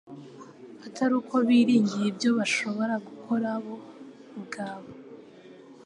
atari uko biringiye ibyo bashobora gukora bo ubwabo,